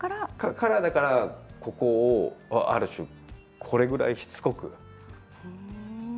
カラーだから、ここをある種、これぐらいしつこく。